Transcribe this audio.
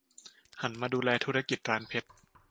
หันมาดูแลธุรกิจร้านเพชร